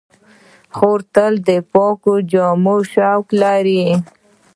خور تل د پاکو جامو شوق لري.